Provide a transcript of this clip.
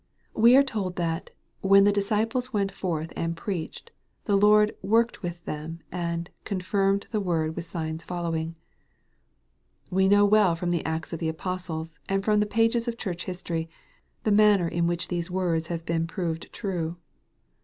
We are told that, when the disciples went forth and preached, the Lord " worked with them," and " confirmed the word with signs fol lowing." We know well from the Acts of the Apostles, and from the pages of church history, the manner in which these words have heen proved true.